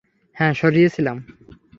হ্যাঁ সরিয়ে ছিলাম।